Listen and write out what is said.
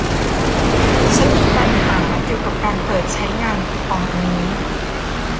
ฉันมีปัญหาเกี่ยวกับการเปิดใช้งานคูปองอันนี้